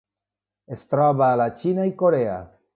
Es troba a la Xina i Corea.